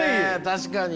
確かに。